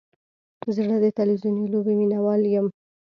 زه د تلویزیوني لوبې مینهوال یم.